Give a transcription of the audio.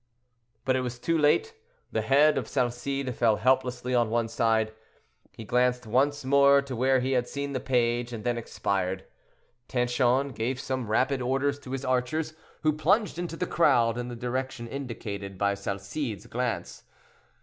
But it was too late; the head of Salcede fell helplessly on one side, he glanced once more to where he had seen the page, and then expired. Tanchon gave some rapid orders to his archers, who plunged into the crowd in the direction indicated by Salcede's glance.